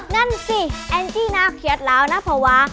นั่นสิแอนจี้น่าเครียดร้าวน่าผวา